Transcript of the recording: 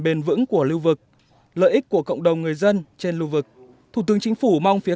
bền vững của lưu vực lợi ích của cộng đồng người dân trên lưu vực thủ tướng chính phủ mong phía